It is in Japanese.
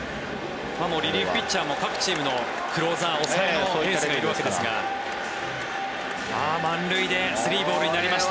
リリーフピッチャー各チームのクローザーもいるわけですが満塁で３ボールになりました。